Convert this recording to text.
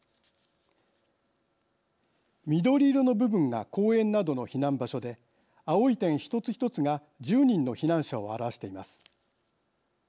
緑色の部分が公園などの避難場所で青い点一つ一つが１０人の避難者を表しています。